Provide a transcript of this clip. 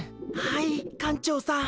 はい館長さん。